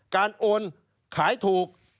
การโอนขายถูก